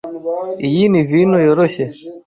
Iyi ni vino yoroshye.